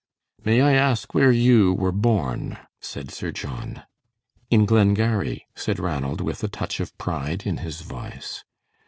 "May I ask where you were born?" said Sir John. "In Glengarry," said Ranald, with a touch of pride in his voice.